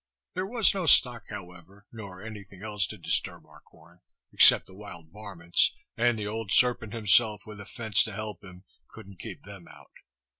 There was no stock, however, nor any thing else to disturb our corn, except the wild varments, and the old serpent himself, with a fence to help him, couldn't keep them out.